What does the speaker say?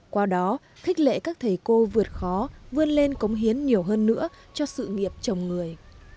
qua đó khích lệ các thầy cô vượt khó vươn lên cống hiến nhiều hơn nữa cho sự nghiệp chồng người